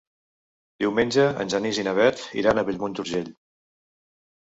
Diumenge en Genís i na Bet iran a Bellmunt d'Urgell.